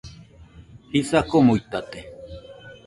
Jisa komuitate